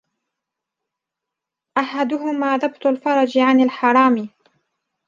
أَحَدُهُمَا ضَبْطُ الْفَرْجِ عَنْ الْحَرَامِ